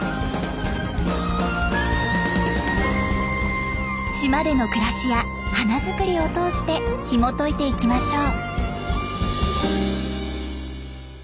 馬島のため島での暮らしや花作りを通してひもといていきましょう。